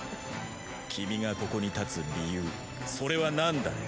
君がここに立つ理由それは何だね？